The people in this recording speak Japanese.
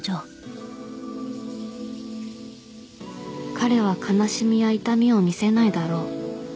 彼は悲しみや痛みを見せないだろう